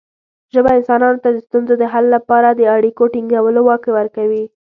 ژبه انسانانو ته د ستونزو د حل لپاره د اړیکو ټینګولو واک ورکوي.